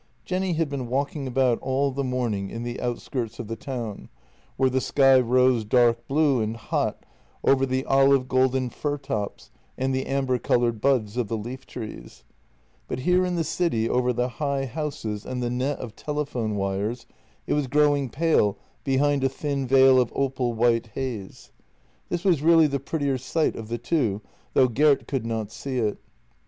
Jenny had been walking about all the morning in the out skirts of the town, where the sky rose dark blue and hot over the olive golden fir tops and the amber coloured buds of the leaf trees, but here in the city over the high houses and the net of telephone wires it was growing pale behind a thin veil of opal white haze. This was really the prettier sight of the two. though Gert could not see it.